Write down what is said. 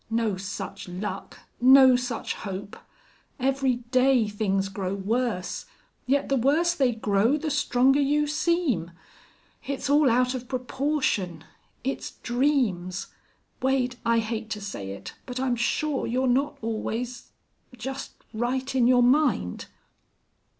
No such luck! no such hope!... Every day things grow worse. Yet the worse they grow the stronger you seem! It's all out of proportion. It's dreams. Wade, I hate to say it, but I'm sure you're not always just right in your mind."